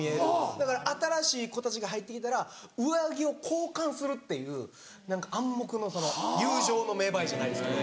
だから新しい子たちが入ってきたら上着を交換するっていう何か暗黙のその友情の芽生えじゃないですけど。